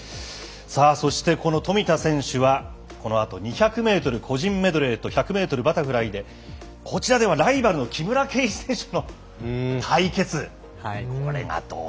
さあ、そして、この富田選手はこのあと２００ｍ個人メドレーと１００ｍバタフライでこちらではライバルの木村敬一選手との対決。